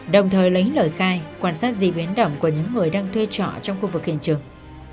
đồng thời lấy lời khai quan sát dị biến động của những người đang thuê trọ trong khu vực hiện trường